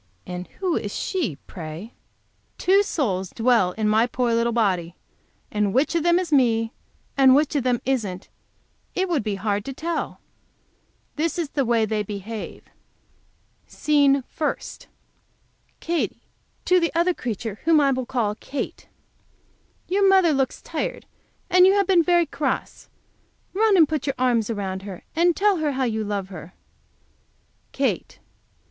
And who is she, pray! Two souls dwell in my poor little body, and which of them is me, and which of them isn't, it would be hard to tell. This is the way they behave: SCENE FIRST. Katy, to the other creature, whom I will call Kate. Your mother looks tired, and you have been very cross. Run and put your arms around her, and tell her how you love her. Kate.